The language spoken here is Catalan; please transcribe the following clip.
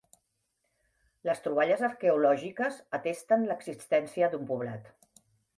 Les troballes arqueològiques atesten l'existència d'un poblat.